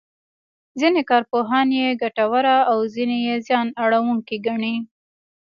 ځینې کارپوهان یې ګټوره او ځینې یې زیان اړوونکې ګڼي.